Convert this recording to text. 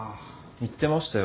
言ってましたよ。